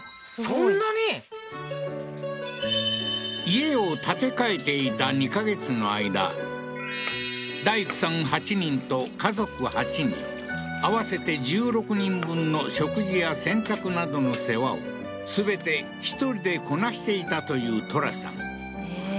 家を建て替えていた２ヵ月の間大工さん８人と家族８人合わせて１６人分の食事や洗濯などの世話を全て１人でこなしていたというトラさんええー